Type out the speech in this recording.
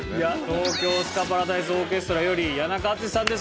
東京スカパラダイスオーケストラより谷中敦さんです。